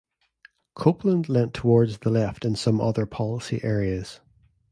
Copeland leant towards the left in some other policy areas.